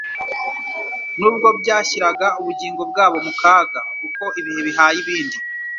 nubwo byashyiraga ubugingo bwabo mu kaga. Uko ibihe bihaye ibindi.